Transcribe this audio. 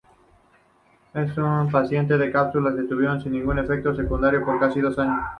En un paciente las cápsulas estuvieron sin ningún efecto secundario, por casi dos años.